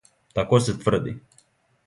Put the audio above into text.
Тако се тврди.